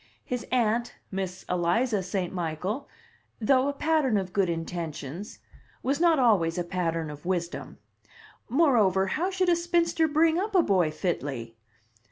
His aunt, Miss Eliza St. Michael, though a pattern of good intentions, was not always a pattern of wisdom. Moreover, how should a spinster bring up a boy fitly?